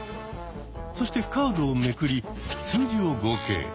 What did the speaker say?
そしてカードをめくり数字を合計。